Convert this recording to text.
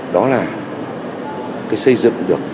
đó là xây dựng được